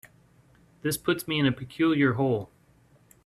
This puts me in a peculiar hole.